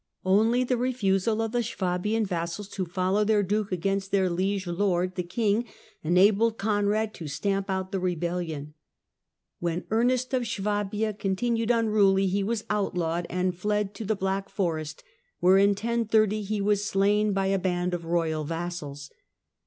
Only the refusal of the Swabian vassals to follow their duke against their liege lord the king enabled Conrad to stamp out the rebellion. When Ernest of Swabia con tinued unruly he was outlawed and fled to the Black Forest, where in 1030 he was slain by a band of royal vassals.